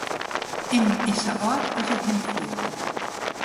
Immen is sa âld as er him fielt.